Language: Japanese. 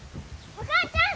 お母ちゃん！